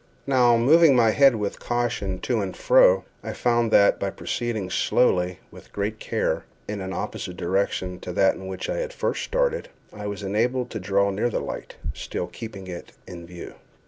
Now, moving my head with caution to and fro, I found that, by proceeding slowly, with great care, in an opposite direction to that in which I had at first started, I was enabled to draw near the light, still keeping it in view.